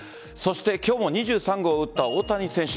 今日も２３号を打った大谷選手。